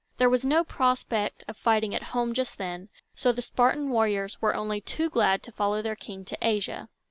There was no prospect of fighting at home just then, so the Spartan warriors were only too glad to follow their king to Asia.